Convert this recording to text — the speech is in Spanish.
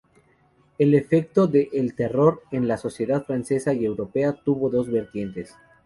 El efecto de "el Terror" en la sociedad francesa y europea tuvo dos vertientes.